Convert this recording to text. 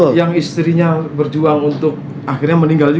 betul yang istrinya berjuang untuk akhirnya meninggal